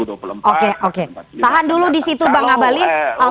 oke oke tahan dulu di situ bang abalin